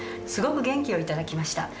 すごく元気をいただきました。